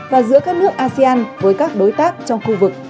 và giữa các nước asean với các đối tượng